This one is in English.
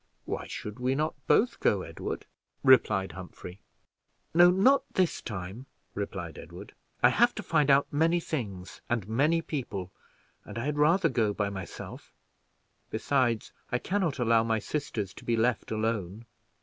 "Why should we not both go, Edward?" replied Humphrey. "No, not this time," replied Edward. "I have to find out many things and many people, and I had rather go by myself; besides, I can not allow my sisters to be left alone.